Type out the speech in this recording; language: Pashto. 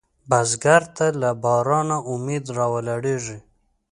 بزګر ته له بارانه امید راولاړېږي